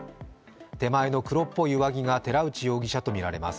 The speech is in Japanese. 手前の黒っぽい上着が寺内容疑者とみられます。